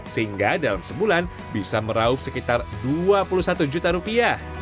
sehingga dalam sebulan bisa meraup sekitar dua puluh satu juta rupiah